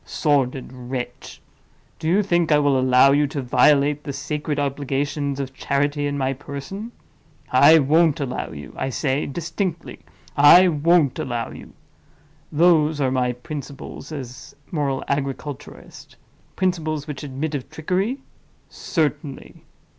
Sordid wretch! do you think I will allow you to violate the sacred obligations of charity in my person? I won't allow you—I say, distinctly, I won't allow you. Those are my principles as a moral agriculturist. Principles which admit of trickery? Certainly.